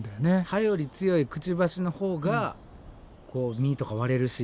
歯より強いくちばしのほうがこう実とか割れるし。